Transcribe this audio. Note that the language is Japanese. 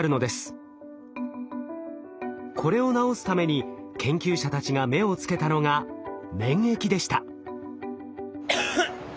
これを治すために研究者たちが目をつけたのが免疫でした。